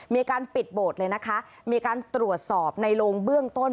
มีการปิดโบสถ์เลยนะคะมีการตรวจสอบในโรงเบื้องต้น